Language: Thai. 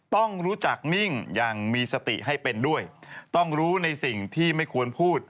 ต้องรู้จักนิ่งอย่างมีสติให้เป็นด้วยต้องรู้ในสิ่งที่ไม่ควรพูด